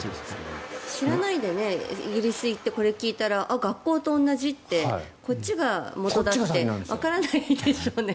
知らないでイギリスに行ってこれを聞いたら学校と同じだってこっちが元だってわからないでしょうね。